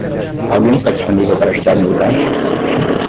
Alguém está disponível para ajudar no lugar?